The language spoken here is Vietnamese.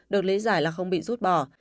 được lý giải là không bị rút bỏ